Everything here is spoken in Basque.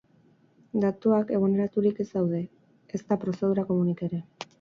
Datuak eguneraturik ez daude, ezta prozedura komunik ere.